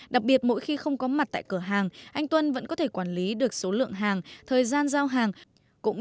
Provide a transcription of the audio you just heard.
đặc biệt mỗi khi không có mặt tại cửa hàng anh tuân vẫn có thể quản lý được số lượng hàng thời gian giao hàng